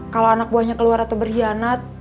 kalau anak buahnya keluar atau berkhianat